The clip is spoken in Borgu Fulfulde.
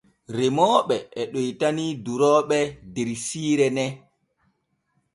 Remooɓe e ɗoytani durooɓe der siire nee.